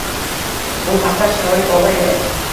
U vaqtlar sharoit og‘ir edi